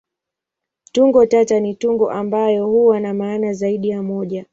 Tungo tata ni tungo ambayo huwa na maana zaidi ya moja.